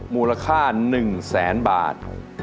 มูลค่า๑แสนบาท